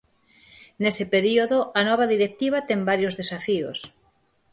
Nese período, a nova directiva ten varios desafíos.